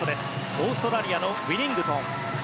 オーストラリアのウィニングトン。